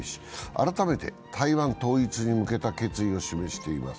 改めて、台湾統一に向けた決意を示しています。